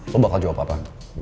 lo bakal jawab apa